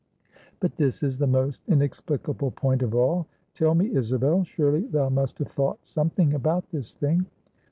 "But this is the most inexplicable point of all. Tell me, Isabel; surely thou must have thought something about this thing."